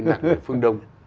nặng về phương đông